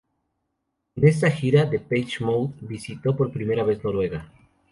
En esta gira Depeche Mode visitó por primera vez Noruega.